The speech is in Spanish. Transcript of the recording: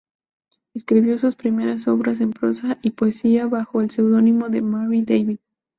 Escribió sus primeras obras en prosa y poesía bajo el seudónimo de "Marie David".